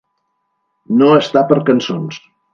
No estar per cançons.